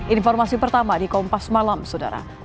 informasi pertama di kompas malam saudara